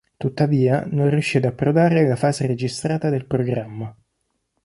Tuttavia, non riuscì ad approdare alla fase registrata del programma.